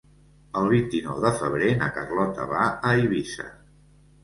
El vint-i-nou de febrer na Carlota va a Eivissa.